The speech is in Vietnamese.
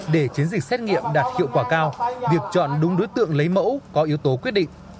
để chiến dịch xét nghiệm đạt hiệu quả cao việc chọn đúng đối tượng lấy mẫu có yếu tố quyết định